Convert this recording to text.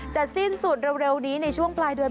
สิ้นสุดเร็วนี้ในช่วงปลายเดือน